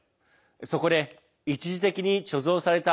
そこで一時的に貯蔵された